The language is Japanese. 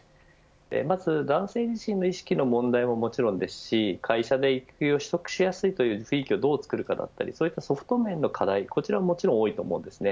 まず男性自身の意識の問題ももちろんですし会社で育休を取得しやすいという雰囲気をどう作るかだったりソフト面の課題ももちろん多いと思います。